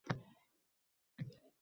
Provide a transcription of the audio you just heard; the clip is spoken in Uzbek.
hayratlanmay ilojim yo’q!